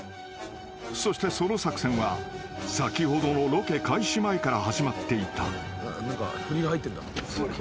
［そしてその作戦は先ほどのロケ開始前から始まっていた］